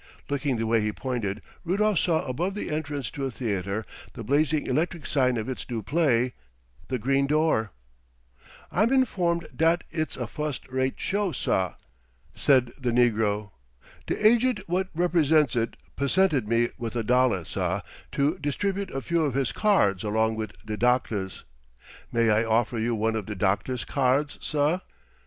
Looking the way he pointed Rudolf saw above the entrance to a theatre the blazing electric sign of its new play, "The Green Door." "I'm informed dat it's a fust rate show, sah," said the negro. "De agent what represents it pussented me with a dollar, sah, to distribute a few of his cards along with de doctah's. May I offer you one of de doctah's cards, sah?"